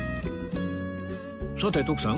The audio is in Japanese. さて徳さん